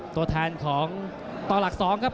ตัวแทนของต่อหลัก๒ครับ